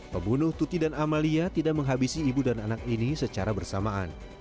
pembunuh tuti dan amalia tidak menghabisi ibu dan anak ini secara bersamaan